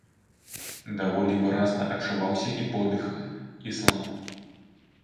Даволі выразна адчуваўся і подых ісламу.